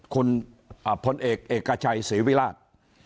คุณพลเอกเอกชัยศรีวิราช